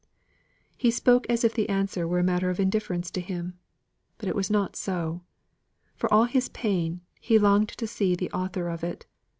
He spoke as if the answer were a matter of indifference to him. But it was not so. For all his pain, he longed to see the author of it.